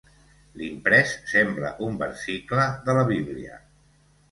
L'imprès sembla un versicle de la Bíblia.